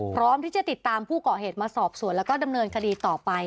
พร้อมที่จะติดตามผู้ก่อเหตุมาสอบสวนแล้วก็ดำเนินคดีต่อไป